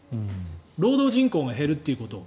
労働人口が減るということ。